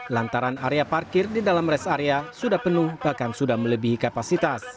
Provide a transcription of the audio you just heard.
lantaran area parkir di dalam rest area sudah penuh bahkan sudah melebihi kapasitas